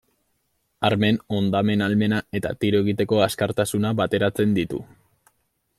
Armen hondamen-ahalmena eta tiro egiteko azkartasuna bateratzen ditu.